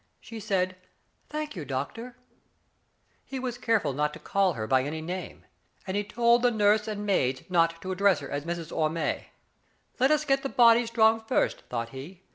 She said :" Thank you, doctor." He was care ful not to call her by any name, and he told the nurse and maids not to address her as " Mrs. Orme." " Let us get the body strong first, thought he.